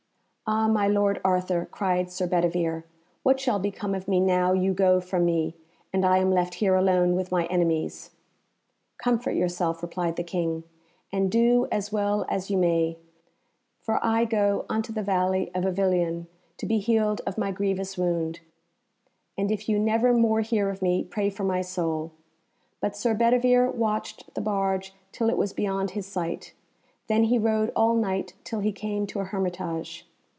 "Ah, my lord Arthur!" cried Sir Bedivere, "what shall become of me now you go from me, and I am left here alone with my enemies?" [Illustration: EXCALIBVR RETVRNS TO THE MERE] "Comfort yourself," replied the King, "and do as well as you may, for I go unto the valley of Avilion, to be healed of my grievous wound. And if you never more hear of me, pray for my soul." But Sir Bedivere watched the barge till it was beyond his sight, then he rode all night till he came to a hermitage.